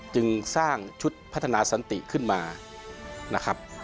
จึงสร้างชุดพัฒนาสันติขึ้นมานะครับ